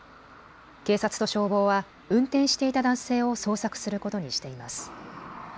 警察と消防は運転していた男性を捜索することにしています。